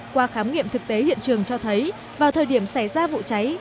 qua khám nghiệm thực tế hiện trường cho thấy vào thời điểm xảy ra vụ cháy